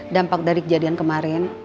dampak dari kejadian kemarin